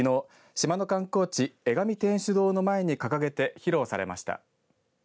島の観光地江上天主堂の前に掲げて披露されました。